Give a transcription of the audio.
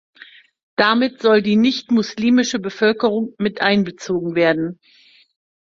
Damit sollte die nichtmuslimische Bevölkerung mit einbezogen werden.